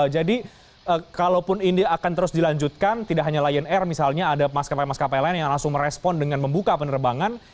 jadi kalaupun ini akan terus dilanjutkan tidak hanya lion air misalnya ada maskapai maskapai lain yang langsung merespon dengan membuka penerbangan